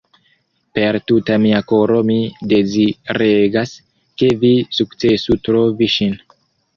Per tuta mia koro mi deziregas, ke vi sukcesu trovi ŝin.